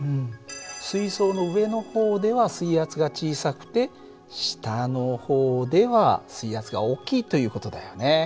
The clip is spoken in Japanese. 水槽の上の方では水圧が小さくて下の方では水圧が大きいという事だよね。